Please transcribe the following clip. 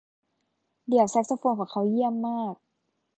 เดี่ยวแซกโซโฟนของเขาเยี่ยมมาก